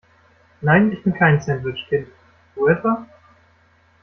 Nein, ich bin kein Sandwich-Kind. Du etwa?